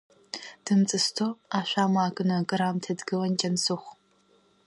Дымҵысӡо, ашә амаа кны акраамҭа дгылан Џьансыхә.